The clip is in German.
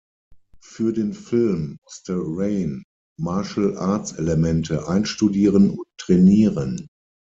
Für den Film musste Rain Martial-Arts-Elemente einstudieren und trainieren.